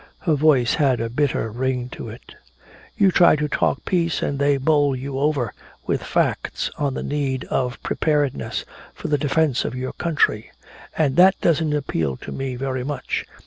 Her voice had a bitter ring to it. "You try to talk peace and they bowl you over, with facts on the need of preparedness for the defence of your country. And that doesn't appeal to me very much.